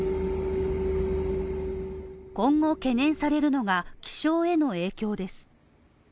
今後懸念されるのが、気象への影響です。